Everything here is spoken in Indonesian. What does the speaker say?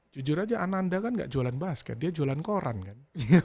jujur aja ananda kan gak jualan basket dia jualan koran kan